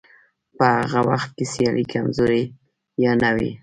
په هغه وخت کې سیالي کمزورې یا نه وه.